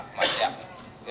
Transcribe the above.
kebatas waktunya itu sampai kapan